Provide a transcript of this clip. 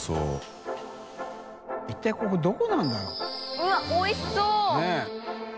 うわっおいしそう！ねぇ。